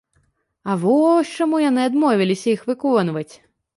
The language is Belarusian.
А вось чаму яны адмовіліся іх выконваць?